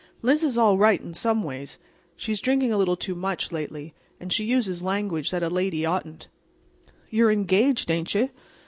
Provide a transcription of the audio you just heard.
Liz is all right—in some ways. She's drinking a little too much lately. And she uses language that a lady oughtn't." "You're engaged, ain't you?"